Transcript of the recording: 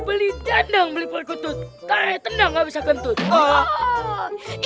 beli dendeng beli poli gendut kaya tendang gak bisa gendut